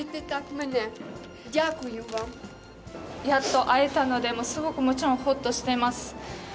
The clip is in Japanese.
やっと会えたので、すごくもちろんほっとしてます。